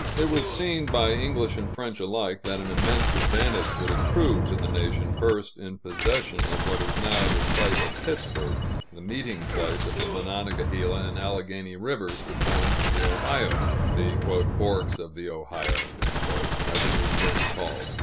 It was early seen, by English and French alike, that an immense advantage would accrue to the nation first in possession of what is now the site of Pittsburg, the meeting place of the Monongahela and Alleghany rivers to form the Ohio the "Forks of the Ohio," as it was then called.